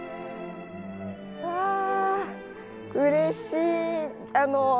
わあうれしい。